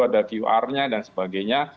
ada qr nya dan sebagainya